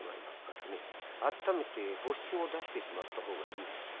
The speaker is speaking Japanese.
温めて発疹を出してしまった方がいいんです。